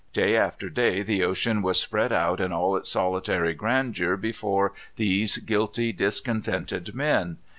Day after day the ocean was spread out in all its solitary grandeur before these guilty, discontented men.